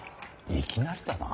いきなりだな。